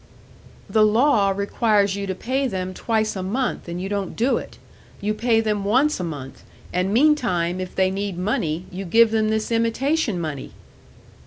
"The law requires you to pay them twice a month, and you don't do it. You pay them once a month, and meantime, if they need money, you give them this imitation money!"